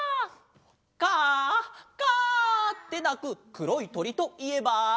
カアカア！ってなくくろいとりといえば？